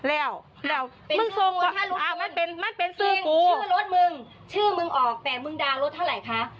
อ้าวพี่หนูมีสิทธิจะโพดมั้ย